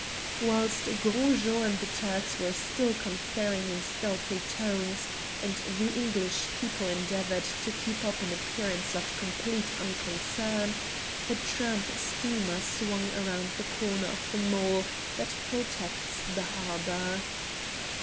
Whilst Gros Jean and the Turk were still conferring in stealthy tones, and the English people endeavoured to keep up an appearance of complete unconcern, a tramp steamer swung round the corner of the mole that protects the harbour.